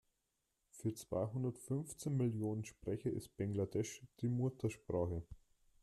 Für zweihundertfünfzehn Millionen Sprecher ist Bengalisch die Muttersprache.